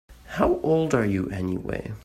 How old are you anyway?